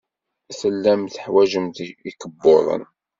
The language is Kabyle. Tellamt teḥwajemt ikebbuḍen.